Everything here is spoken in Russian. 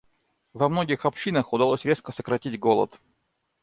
Во многих общинах удалось резко сократить голод.